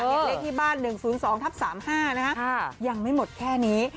เลขที่บ้าน๑๐๒ทับ๓๕ยังไม่หมดแค่นี้